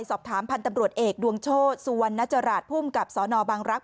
พันธุ์ตำรวจเอกดวงโชธสุวรรณจราชภูมิกับสนบังรักษ